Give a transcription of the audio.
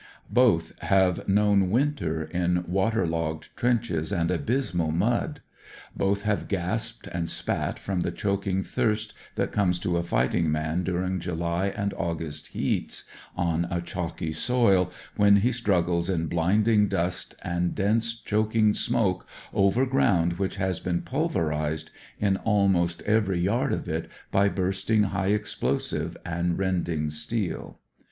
Both have known winter in water logged trenches and abysmal mud ; both have gasped and spat from the choking thuist that comes to a fighting man during July and August heats on a chalky soil, when he struggles in blinding dust and dense choking smoke over groimd which has been pulverised in almost every yard of it by bursting high explosive and rending steel.